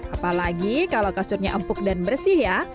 apalagi kalau kasurnya empuk dan bersih ya